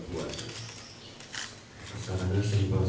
asalannya simpel saja itu kan tanggal delapan hari rabu